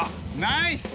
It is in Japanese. ナイス！